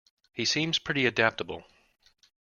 He seems pretty adaptable